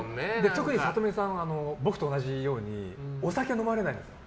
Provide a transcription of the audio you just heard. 特に里見さんは僕と同じようにお酒を飲まれないんです。